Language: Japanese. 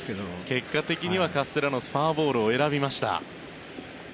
結果的にはカステラノスフォアボールを選びました。